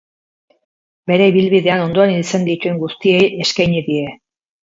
Bere ibilbidean ondoan izan dituen guztiei eskaini die.